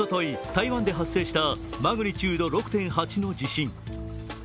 台湾で発生したマグニチュード６．８の地震。